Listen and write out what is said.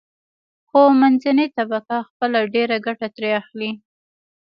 خو منځنۍ طبقه خپله ډېره ګټه ترې اخلي.